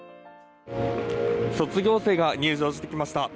卒業式が入場してきました。